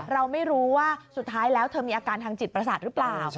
เราไม่รู้ว่าสุดท้ายแล้วเธอมีอาการทางจิตประสาทหรือเปล่า